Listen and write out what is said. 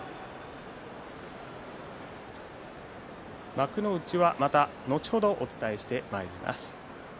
幕内はまた後ほどお伝えしてまいります。